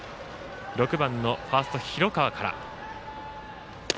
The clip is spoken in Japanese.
６番のファースト、広川から。